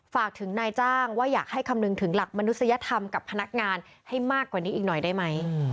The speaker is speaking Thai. ฝากถึงนายจ้างว่าอยากให้คำนึงถึงหลักมนุษยธรรมกับพนักงานให้มากกว่านี้อีกหน่อยได้ไหม